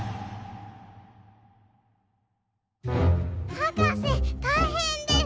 はかせたいへんです！